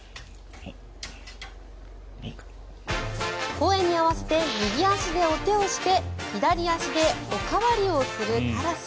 声に合わせて右足でお手をして左足でおかわりをするカラス。